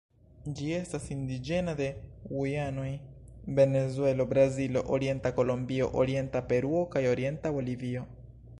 Ĝi estas indiĝena de Gujanoj, Venezuelo, Brazilo, orienta Kolombio, orienta Peruo, kaj orienta Bolivio.